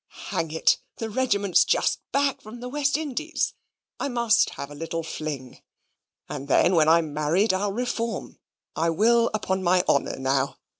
Hang it: the regiment's just back from the West Indies, I must have a little fling, and then when I'm married I'll reform; I will upon my honour, now.